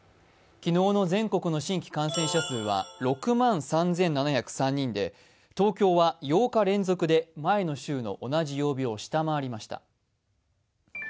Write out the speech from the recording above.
昨日の全国の新規感染者数は６万３７０３人で東京は８日連続で前の週の同じ曜日を下回りました。